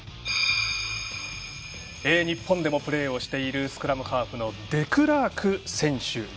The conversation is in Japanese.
日本でもプレーをしているスクラムハーフのデクラーク選手。